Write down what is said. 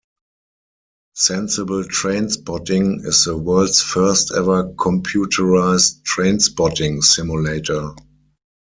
"Sensible Train Spotting" is the world's first ever computerized train spotting simulator.